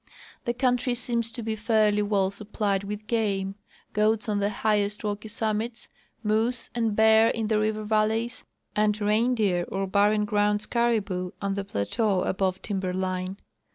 The country seems to be fairly Avell supplied Avith game, goats on the highest Path making in the Wilderness. 123 rocky summits, moose and bear in the river valleys, and rein deer or barren grounds caribou on the pla.teau above timber line.